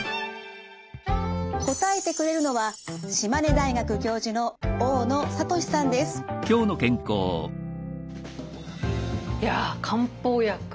答えてくれるのはいや漢方薬。